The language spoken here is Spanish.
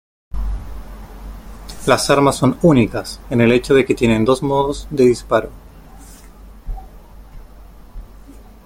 Las armas son únicas en el hecho de que tienen dos modos de disparo.